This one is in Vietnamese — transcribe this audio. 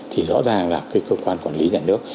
thì rõ ràng là cơ quan quản lý nhận được